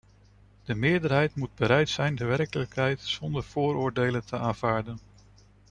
De meerderheid moet bereid zijn de werkelijkheid zonder vooroordelen te aanvaarden.